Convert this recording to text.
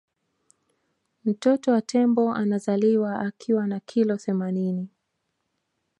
mtoto wa tembo anazaliwa akiwa na kilo themanini